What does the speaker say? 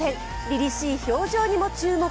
りりしい表情にも注目。